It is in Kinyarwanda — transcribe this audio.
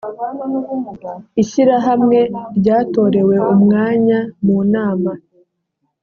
ishyirahamwe ryatorewe umwanya mu nama